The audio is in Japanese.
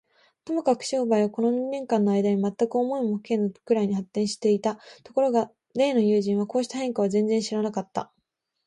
ともかく商売は、この二年間のあいだに、まったく思いもかけぬくらいに発展していた。ところが例の友人は、こうした変化を全然知らなかった。